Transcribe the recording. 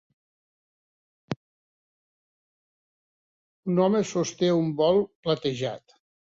Un home sosté un bol platejat.